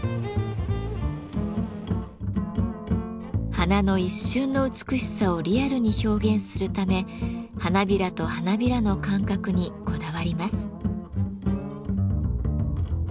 花の一瞬の美しさをリアルに表現するため花びらと花びらの間隔にこだわります。